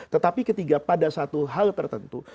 tetapi ketika pada satu hal tertentu